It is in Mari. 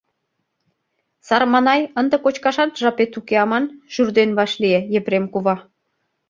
— Сарманай, ынде кочкашат жапет уке аман, — шӱрден вашлие Епрем кува.